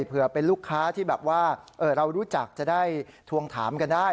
เผื่อเป็นลูกค้าที่แบบว่าเรารู้จักจะได้ทวงถามกันได้